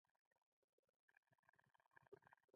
لومړي سر کې فکر کېده کمونیزم نړېدو ګټه وکړي